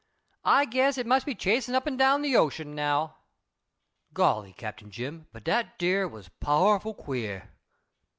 "I guess it must be chasing up and down the ocean now." "Golly, Cap. Jim, but dat dere was powerful queer."